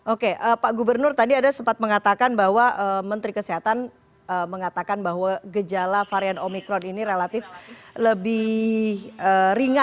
oke pak gubernur tadi ada sempat mengatakan bahwa menteri kesehatan mengatakan bahwa gejala varian omikron ini relatif lebih ringan